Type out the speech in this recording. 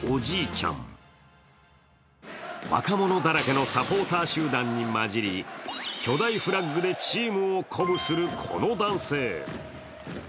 若者だらけのサポーター集団に交じり巨大フラッグでチームを鼓舞するこの男性。